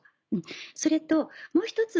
それともう１つ。